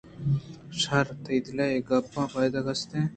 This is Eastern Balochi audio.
شر تئی دل ءَ اے گپاں ءَ پائدگ است